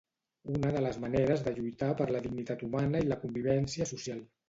Una de les maneres de lluitar per la dignitat humana i la convivència social.